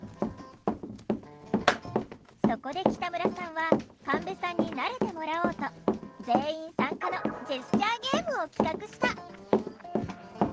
そこで北村さんは神戸さんに慣れてもらおうと全員参加のジェスチャーゲームを企画した！